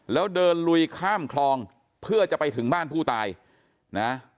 แล้วเดินลุยข้ามคลองเพื่อจะไปถึงบ้านผู้ตายนะ